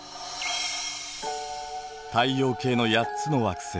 太陽系の８つの惑星。